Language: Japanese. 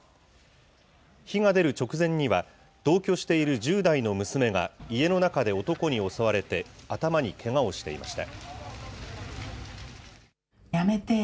火が出る直前には、同居している１０代の娘が家の中で男に襲われて、頭にけがをしていました。